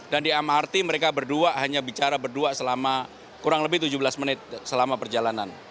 dan di mrt mereka berdua hanya bicara berdua selama kurang lebih tujuh belas menit selama perjalanan